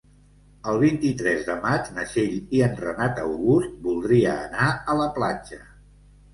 El vint-i-tres de maig na Txell i en Renat August voldria anar a la platja.